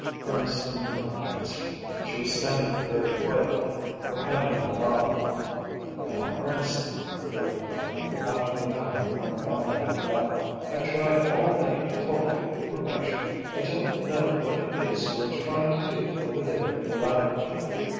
Ernestine did not answer. She was standing there very quietly, her hand on the knob. "Now, Ernestine," Georgia went on, after the manner of one bound to have it out, "I've tried all winter to cultivate repression. I don't know what it is you are trying to do over there in the laboratory.